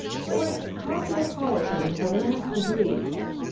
It was cosmopolitan to the last degree.